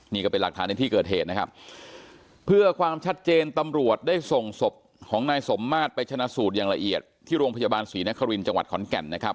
นี่ก็เป็นหลักฐานในที่เกิดเหตุนะครับเพื่อความชัดเจนตำรวจได้ส่งศพของนายสมมาตรไปชนะสูตรอย่างละเอียดที่โรงพยาบาลศรีนครินทร์จังหวัดขอนแก่นนะครับ